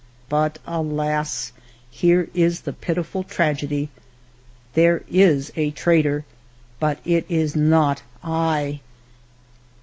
But, alas ! here is the pitiful tragedy. There is a traitor, but it is not I